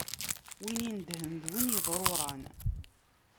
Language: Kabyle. Win inedhen d win yeḍṛuṛan.